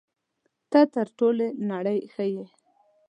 ته تر ټولې نړۍ ښه یې.